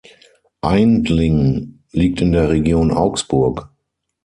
Aindling liegt in der Region Augsburg.